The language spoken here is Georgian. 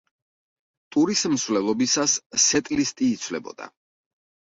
ტურის მსვლელობისას სეტლისტი იცვლებოდა.